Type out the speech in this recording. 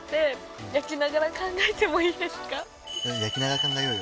焼きながら考えようよ。